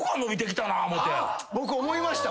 僕思いました。